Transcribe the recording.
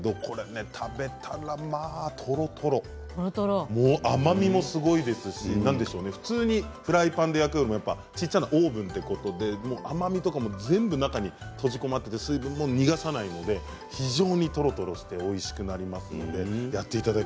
食べたらとろとろ甘みもすごいですし普通にフライパンで焼くより小さなオーブンということで甘みとかも全部中に閉じ込められていて水分も逃がさないので非常にとろとろしておいしくなります。